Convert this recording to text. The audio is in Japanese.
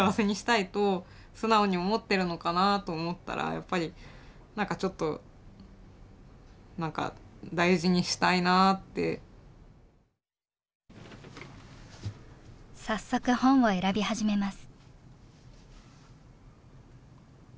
やっぱりなんかちょっと早速本を選び始めます。